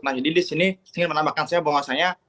nah jadi disini ingin menambahkan saya bahwasanya